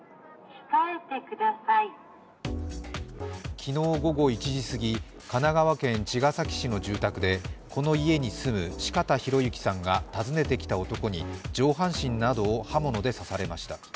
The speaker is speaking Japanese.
昨日午後１時過ぎ、神奈川県茅ヶ崎市の住宅で、この家に住む四方洋行さんが訪ねてきた男に上半身などを刃物で刺されました。